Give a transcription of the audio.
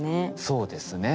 そうですね。